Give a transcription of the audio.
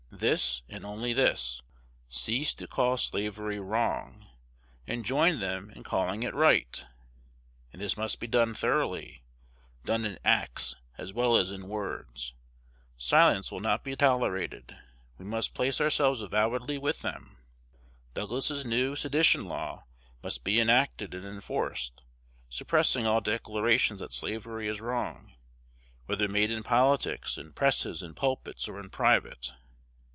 This, and this only: cease to call slavery wrong, and join them in calling it right. And this must be done thoroughly, done in acts as well as in words. Silence will not be tolerated: we must place ourselves avowedly with them. Douglas's new sedition law must be enacted and enforced, suppressing all declarations that slavery is wrong, whether made in politics, in presses, in pulpits, or in private.